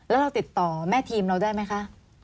แล้วเราติดต่อแม่ทีมเราได้ไหมคะ